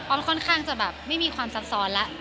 ค่อนข้างจะแบบไม่มีความซับซ้อนแล้ว